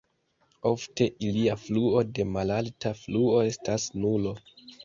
Ofte ilia fluo de malalta fluo estas nulo.